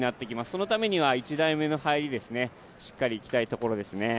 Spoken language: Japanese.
そのためには１台目の入りしっかりいきたいところですね。